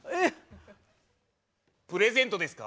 プレゼントですか？